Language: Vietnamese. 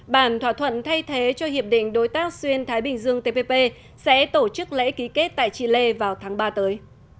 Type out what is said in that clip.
bản thỏa thuận thay thế cho hiệp định đối tác xuyên thái bình dương tpp sẽ tổ chức lễ ký kết tại chile vào tháng ba tới